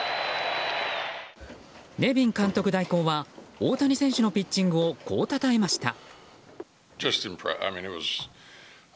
ネビン監督代行は大谷選手のピッチングをこうたたえました。